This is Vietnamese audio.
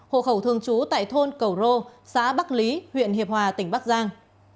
hộ khẩu thường trú tại thôn cầu rô xã bắc lý huyện hiệp hòa tỉnh bắc giang